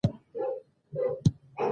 یعقوب بن لیث د بیسوادۍ ترڅنګ بې خبره و.